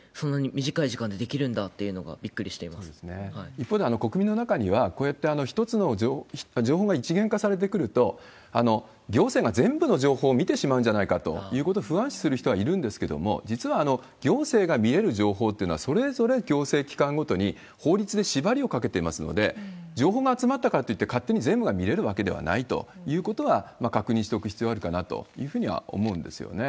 一方で、国民の中には、こうやって情報が一元化されてくると、行政が全部の情報を見てしまうんじゃないかっていうことを不安視する人はいるんですけれども、実は行政が見える情報というのは、それぞれ行政機関ごとに法律で縛りをかけていますので、情報が集まったからといって、勝手に全部が見れるわけではないということは確認しておく必要はあるかなというふうには思うんですよね。